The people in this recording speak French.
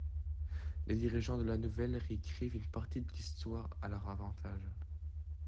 Les dirigeants de la nouvelle réécrivirent une partie de l'histoire à leur avantage.